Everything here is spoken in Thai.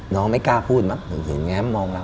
น้องไม่กล้าพูดมั้งเหมือนเหยอกมาแง้มมองเรา